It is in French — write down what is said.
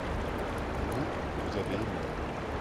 vous, vous avez aimé.